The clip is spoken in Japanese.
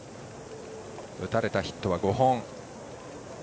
打たれたヒットは５本。